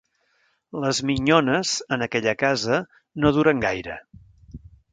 Les minyones, en aquella casa, no duren gaire.